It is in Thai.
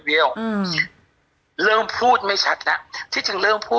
พี่ควบคุมน้ำตาไม่ได้เนาะ